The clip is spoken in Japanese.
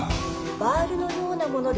バールのようなもので。